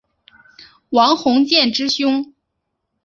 王鸿渐之兄。